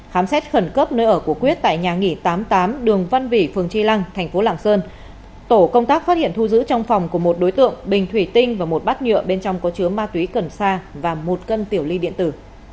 khám xét khẩn cấp nơi ở của quyết tại nhà nghỉ tám mươi tám đường văn vỉ phường tri lăng thành phố lạng sơn tổ công tác phát hiện thu giữ trong phòng của một đối tượng bình thủy tinh và một bát nhựa bên trong có chứa ma túy cần sa và một cân tiểu ly điện tử